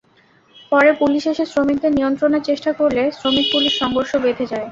পরে পুলিশ এসে শ্রমিকদের নিয়ন্ত্রণের চেষ্টা করলে শ্রমিক-পুলিশ সংঘর্ষ বেঁধে যায়।